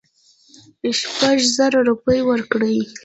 شپږزره روپۍ ورکړې.